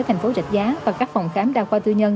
thành phố rạch giá và các phòng khám đa khoa tư nhân